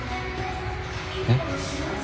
えっ？